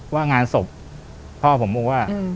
ว่างานศพพ่อผมบอกว่า